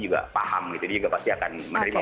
juga paham gitu dia juga pasti akan menerima